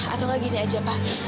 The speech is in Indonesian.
atau nggak gini aja pak